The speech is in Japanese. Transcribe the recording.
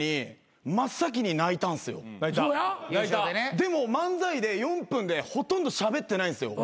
でも漫才で４分でほとんどしゃべってないんですよ。